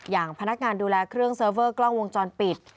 พนักงานดูแลเครื่องเซิร์ฟเวอร์กล้องวงจรปิด